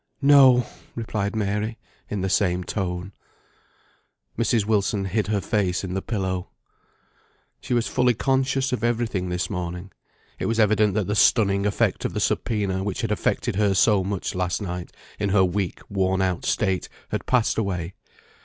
"No!" replied Mary, in the same tone. Mrs. Wilson hid her face in the pillow. She was fully conscious of every thing this morning; it was evident that the stunning effect of the subpoena, which had affected her so much last night in her weak, worn out state, had passed away.